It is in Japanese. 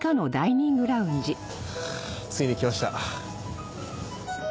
ついに来ました。